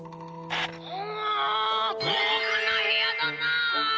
「うわごうかな部屋だな。